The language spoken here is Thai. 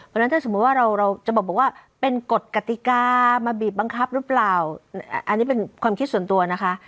เพราะฉะนั้นถ้าสมมุติว่าเราจะบอกว่าเป็นกฎกติกามาบีบบังคับหรือเปล่าอันนี้เป็นความคิดส่วนตัวนะคะ